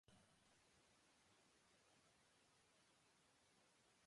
خاندان، علاقہ، خیالات اشتراک کے بہت سے زاویے ہیں۔